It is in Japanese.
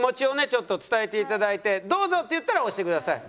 ちょっと伝えていただいて「どうぞ」って言ったら押してください。